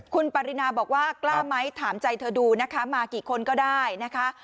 คุณปรินาบอกว่ากล้าไหมถามใจเธอดูนะคะมากี่คนก็ได้นะคะ